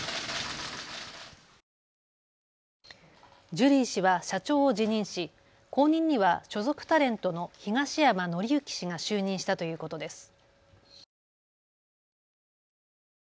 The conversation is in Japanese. ジュリー氏は社長を辞任し後任には所属タレントの東山紀之氏が就任したということです。